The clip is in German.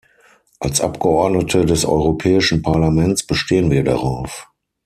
Als Abgeordnete des Europäischen Parlaments bestehen wir darauf.